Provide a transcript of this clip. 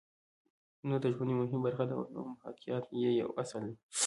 هنر د ژوند یوه مهمه برخه ده او محاکات یې یو اصل دی